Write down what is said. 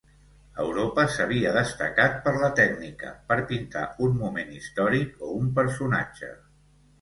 Europa s'havia destacat per la tècnica, per pintar un moment històric o un personatge.